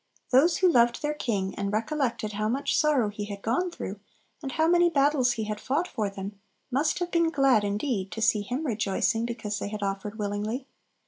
Those who loved their king, and recollected how much sorrow he had gone through, and how many battles he had fought for them, must have been glad indeed to see Him rejoicing because they had offered willingly.